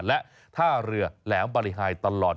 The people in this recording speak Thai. และท่าเรือแหลมบริหายตลอด